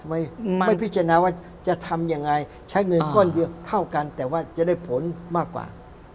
ไม่ไม่พิจารณาว่าจะทำยังไงใช้เงินก้อนเยอะเท่ากันแต่ว่าจะได้ผลมากกว่า